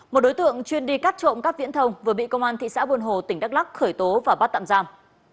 một đối tượng chuyên đi cắt trộm các viễn thông vừa bị công an thị xã buôn hồ tỉnh đắk lắc khởi tố và bắt tạm giam